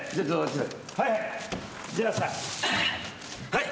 はい。